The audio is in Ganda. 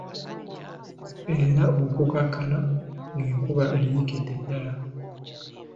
Era okukkakkana ng'enkuba eyiikidde ddala.